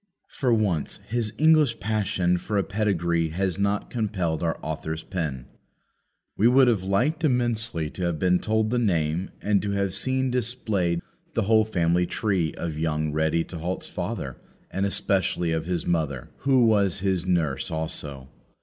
For once his English passion for a pedigree has not compelled our author's pen. We would have liked immensely to have been told the name, and to have seen displayed the whole family tree of young Ready to halt's father; and, especially, of his mother. Who was his nurse also?